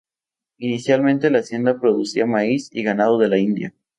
Inicialmente, la hacienda producía maíz y ganado de la India.